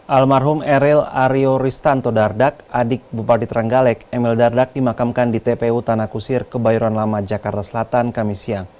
almarhum eril aryo ristanto dardak adik bupati terenggalek emil dardak dimakamkan di tpu tanah kusir kebayoran lama jakarta selatan kami siang